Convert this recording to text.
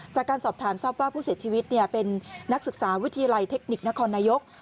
จากการสอบถามทราบว่าผู้เสียชีวิตเป็นนักศึกษาวิทยาลัยเทคนิคนครนายก